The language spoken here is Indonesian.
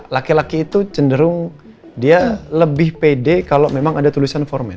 laki laki itu cenderung dia lebih pede kalau memang ada tulisan formen